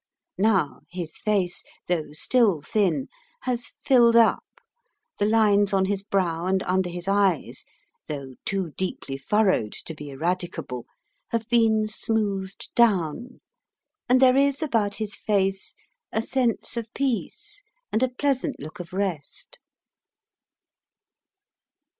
Now his face, though still thin, has filled up. The lines on his brow and under his eyes, though too deeply furrowed to be eradicable, have been smoothed down, and there is about his face a sense of peace and a pleasant look of rest.